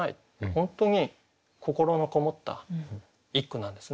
本当に心のこもった一句なんですね。